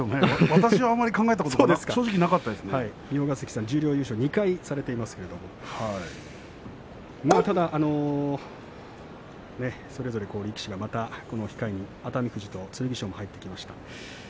私はあんまり、考えたことが三保ヶ関さん、十両優勝２回されていますけれどそれぞれ力士控えに熱海富士と剣翔が入ってきました。